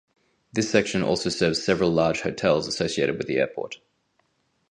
This section also serves several large hotels associated with the airport.